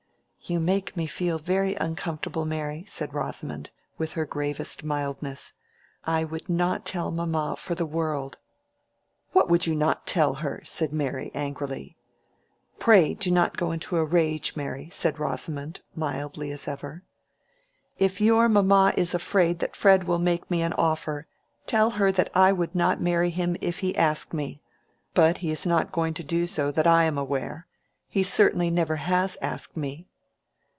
"You make me feel very uncomfortable, Mary," said Rosamond, with her gravest mildness; "I would not tell mamma for the world." "What would you not tell her?" said Mary, angrily. "Pray do not go into a rage, Mary," said Rosamond, mildly as ever. "If your mamma is afraid that Fred will make me an offer, tell her that I would not marry him if he asked me. But he is not going to do so, that I am aware. He certainly never has asked me."